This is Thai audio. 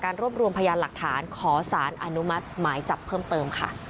รวบรวมพยานหลักฐานขอสารอนุมัติหมายจับเพิ่มเติมค่ะ